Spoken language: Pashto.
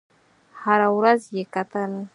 هره ورځ یې کتل.